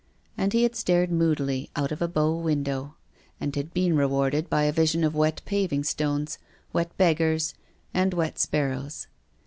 And he had stared moodily out of a bow window, and had been rewarded by a vision of wet paving stones, wet beggars and wet sparrows.